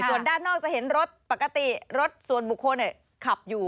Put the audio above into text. ถึงด้านนอกจะเห็นรถส่วนบุคคลขับอยู่